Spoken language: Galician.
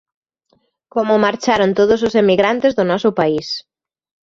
Como marcharon todos os emigrantes do noso país.